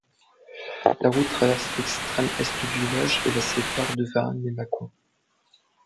La route traverse l'extrême est du village et la sépare de Varennes-lès-Mâcon.